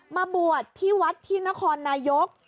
มาบวชที่วัดที่นครนายก